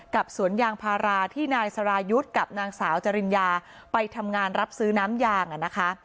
สวนยางพาราที่นายสรายุทธ์กับนางสาวจริญญาไปทำงานรับซื้อน้ำยางอ่ะนะคะ